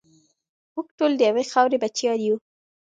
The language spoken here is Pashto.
موږ ټول د یوې خاورې بچیان یو.